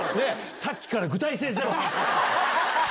さっきから具体性ゼロ。